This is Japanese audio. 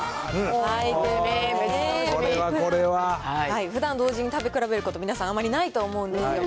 これは。ふだん同時に食べ比べること、皆さん、あまりないと思うんですよ。